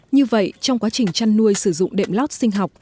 như vậy trong quá trình chăn nuôi sử dụng đệm lót sinh học